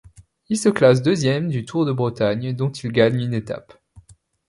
Il se classe deuxième du Tour de Bretagne, dont il gagne une étape.